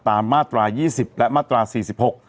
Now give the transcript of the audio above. มาตรายี่สิบและมาตราสี่สิบหก